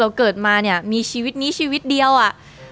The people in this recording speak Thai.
เกิดมาเนี่ยมีชีวิตนี้ชีวิตเดียวอ่ะ